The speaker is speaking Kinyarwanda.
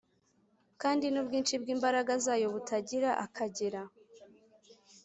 ” kandi “n’ubwinshi bw’imbaraga zayo butagira akagera